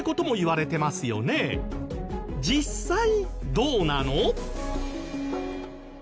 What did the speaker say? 実際どうなの？